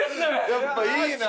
やっぱいいな。